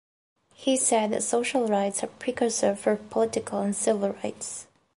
He said that social rights are a precursor for political and civil rights.